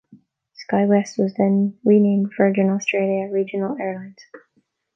Skywest was then renamed Virgin Australia Regional Airlines.